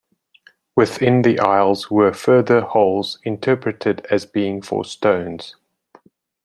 Within the aisles were further holes interpreted as being for stones.